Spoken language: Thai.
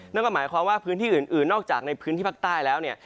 นั่นก็หมายความว่าพื้นที่อื่นนอกจากในพื้นที่ภาคใต้แล้วเนี่ย